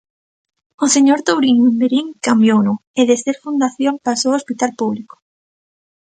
O señor Touriño en Verín cambiouno, e de ser fundación pasou a hospital público.